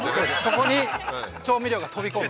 そこに調味料が飛び込む。